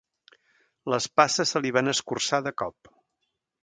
Les passes se li van escurçar de cop.